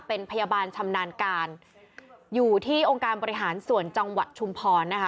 เป็นพยาบาลชำนาญการอยู่ที่องค์การบริหารส่วนจังหวัดชุมพรนะคะ